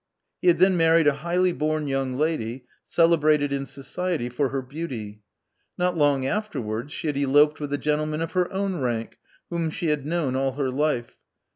He had then married a highly born young lady, celebrated in society for her beauty. Not long after wards she had eloped with a gentleman of her own rank, whom she had known all her life.